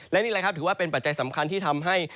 และนี่แหละครับถือว่าเป็นปัจจัยสำคัญที่ทำให้